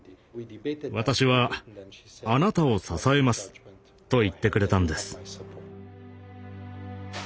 私はあなたを支えます」と言ってくれたんです。